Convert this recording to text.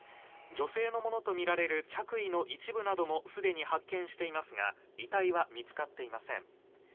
女性のものとみられる着衣の一部などもすでに発見していますが遺体は見つかっていません。